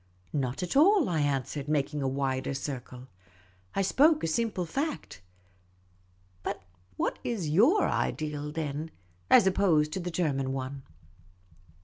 " Not at all," I answered, making a wider circle. " I spoke a simple fact. But what iajotir ideal, then, as opposed to the German one